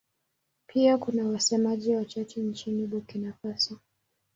Pia kuna wasemaji wachache nchini Burkina Faso.